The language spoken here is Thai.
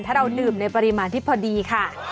ถ้าเราดื่มในปริมาณที่พอดีค่ะ